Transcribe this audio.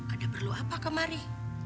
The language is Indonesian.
ada perlu apa kemari